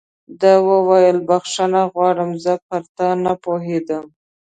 ده وویل: بخښنه غواړم، زه پر تا نه پوهېدم.